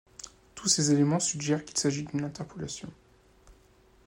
Tous ces éléments suggèrent qu'il s'agit d'une interpolation.